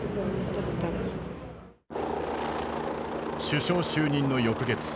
首相就任の翌月。